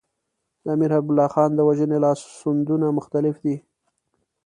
د امیر حبیب الله خان د وژنې لاسوندونه مختلف دي.